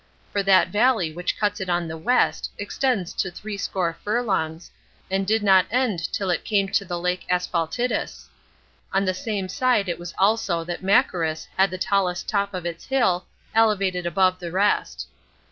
For that valley which cuts it on the west extends to threescore furlongs, and did not end till it came to the lake Asphaltites; on the same side it was also that Machaerus had the tallest top of its hill elevated above the rest.